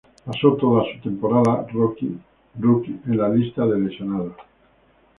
Pasó toda su temporada rookie en la lista de lesionados.